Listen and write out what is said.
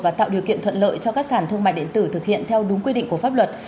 và tạo điều kiện thuận lợi cho các sản thương mại điện tử thực hiện theo đúng quy định của pháp luật